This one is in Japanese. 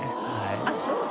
あっそう。